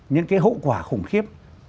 những cái hậu quả khủng khiếp